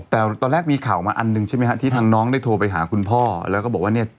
แต่ตอนแรกมีข่าวมาอันหนึ่งใช่ไหมฮะที่ทางน้องได้โทรไปหาคุณพ่อแล้วก็บอกว่าเนี่ย